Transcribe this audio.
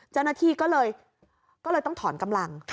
เจ้าหน้าที่ก็เลยต้องถอนกำลัง